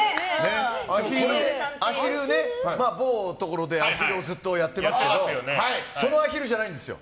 某ところでアヒルをずっとやってますけどそのアヒルじゃないんですよ。